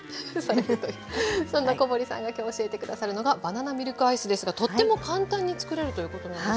そんな小堀さんが今日教えて下さるのがバナナミルクアイスですがとっても簡単につくれるということなんですが。